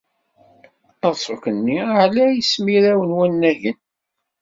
Aṣuk-nni ɛlay simraw n wannagen.